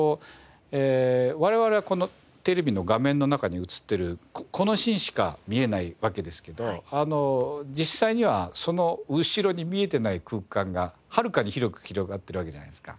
我々はこのテレビの画面の中に映ってるこのシーンしか見えないわけですけど実際にはその後ろに見えてない空間がはるかに広く広がってるわけじゃないですか。